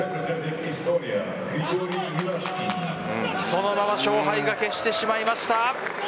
そのまま勝敗が決してしまいました。